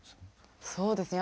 そうですね